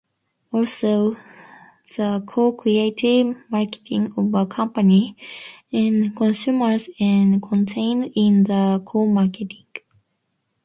Also the Co-creative marketing of a company and consumers are contained in the co-marketing.